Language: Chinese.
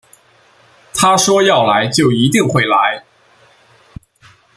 他说要来就一定会来